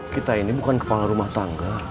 kita ini bukan kepala rumah tangga